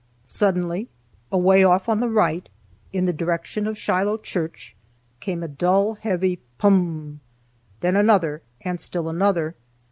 Suddenly, away off on the right, in the direction of Shiloh church, came a dull, heavy "Pum!" then another, and still another.